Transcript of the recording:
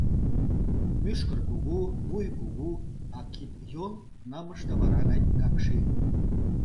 Мӱшкыр кугу, вуй кугу, а кид-йол нымыште вара гай какши.